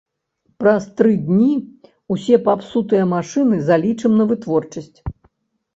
Праз тры дні ўсе папсутыя машыны залічым на вытворчасць.